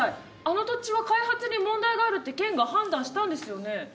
あの土地は開発に問題があるって県が判断したんですよね？